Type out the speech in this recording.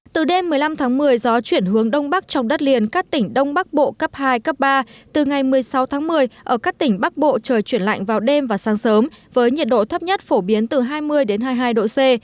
từ đêm một mươi năm tháng một mươi gió chuyển hướng đông bắc trong đất liền các tỉnh đông bắc bộ cấp hai cấp ba từ ngày một mươi sáu tháng một mươi ở các tỉnh bắc bộ trời chuyển lạnh vào đêm và sáng sớm với nhiệt độ thấp nhất phổ biến từ hai mươi hai mươi hai độ c